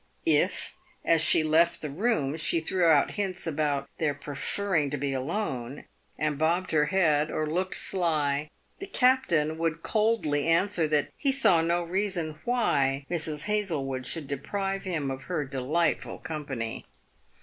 If, as she left the 326 PAVED WITH GOLD. room, she threw out hints about their preferring to be alone, and bobbed her head, or looked sly, the captain would coldly answer that he saw no reason why " Mrs. Hazlewood should deprive him of her delightful company."